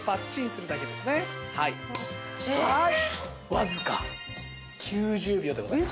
わずか９０秒でございます。